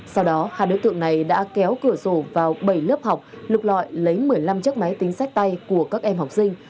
sau đó hai đối tượng này đã kéo cửa rổ vào bảy lớp học lực loại lấy một mươi năm chiếc máy tính sách tay của các em học sinh